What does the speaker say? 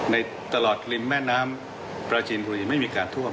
ในตลอดริมแม่น้ำปราจีนบุรีไม่มีการท่วม